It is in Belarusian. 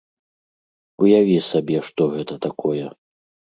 Уяві сабе, што гэта такое.